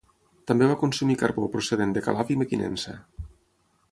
També va consumir carbó procedent de Calaf i Mequinensa.